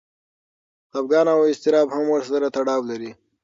خپګان او اضطراب هم ورسره تړاو لري.